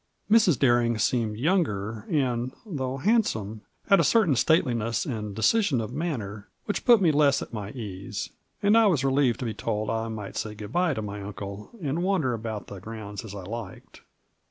Mrs. Bering seemed younger, and, though handsome, had a certain stateliness and decision of manner which put me less at my ease, and I was relieved to be told I might say good by to my uncle, and wander about the grounds as I liked.